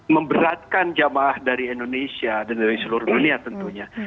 memberatkan jamaah dari indonesia dan dari seluruh dunia tentunya